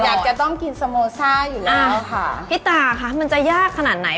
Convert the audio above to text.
อยากจะต้องกินสโมซ่าอยู่แล้วค่ะพี่ตาคะมันจะยากขนาดไหน